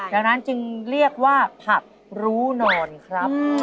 ดังนั้นจึงเรียกว่าผักรู้นอนครับ